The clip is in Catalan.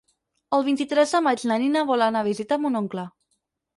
El vint-i-tres de maig na Nina vol anar a visitar mon oncle.